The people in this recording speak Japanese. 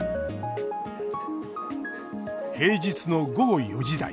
平日の午後４時台。